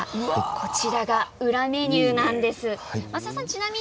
こちらは裏メニューなんです。